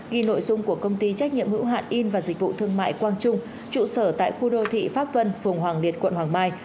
ghi nội dung của công ty trách nhiệm hữu hạn in và dịch vụ thương mại quang trung trụ sở tại khu đô thị pháp vân phường hoàng liệt quận hoàng mai